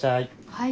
はい。